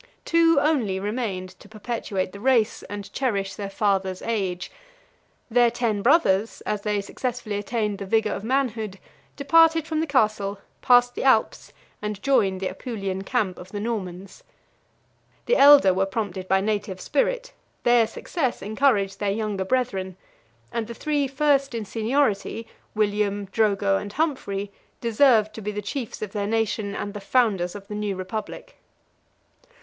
Two only remained to perpetuate the race, and cherish their father's age: their ten brothers, as they successfully attained the vigor of manhood, departed from the castle, passed the Alps, and joined the Apulian camp of the Normans. The elder were prompted by native spirit; their success encouraged their younger brethren, and the three first in seniority, William, Drogo, and Humphrey, deserved to be the chiefs of their nation and the founders of the new republic.